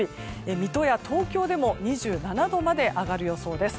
水戸や東京でも２７度まで上がる予想です。